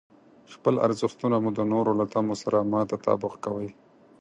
خپل ارزښتونه مو د نورو له تمو سره مه تطابق کوئ.